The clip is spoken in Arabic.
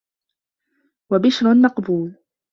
وَبِشْرٌ مَقْبُولٌ